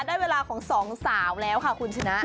ได้เวลาของสองสาวแล้วค่ะคุณชนะ